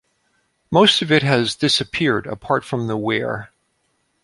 Most of it has disappeared, apart from the weir.